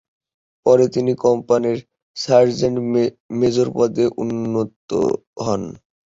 পরে তিনি কোম্পানির সার্জেন্ট মেজর পদে উন্নীত হন।